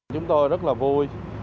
chúng tôi rất là vui